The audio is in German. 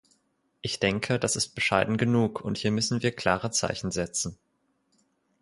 Ich denke, das ist bescheiden genug, und hier müssen wir klare Zeichen setzen.